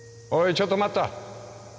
ちょっと待った。